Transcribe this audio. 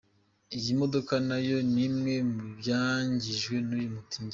Iyi modoka nayo n'imwe mu byangijwe n'uyu mutingito.